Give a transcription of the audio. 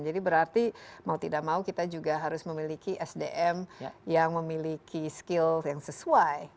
jadi berarti mau tidak mau kita juga harus memiliki sdm yang memiliki skill yang sesuai